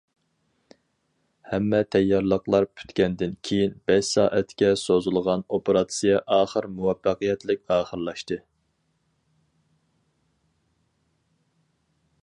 ھەممە تەييارلىقلار پۈتكەندىن كېيىن، بەش سائەتكە سوزۇلغان ئوپېراتسىيە ئاخىر مۇۋەپپەقىيەتلىك ئاخىرلاشتى.